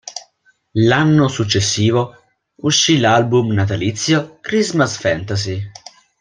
L'anno successivo uscì l'album natalizio "Christmas Fantasy".